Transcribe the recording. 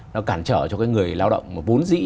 nó cản trở cho người lao động vốn dĩ